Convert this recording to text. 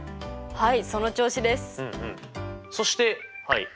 はい。